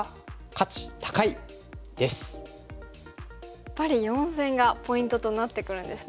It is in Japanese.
やっぱり四線がポイントとなってくるんですね。